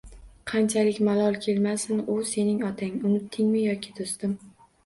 Qanchalik malol kelmasin, u sening otang, unutdingmi yoki do'stim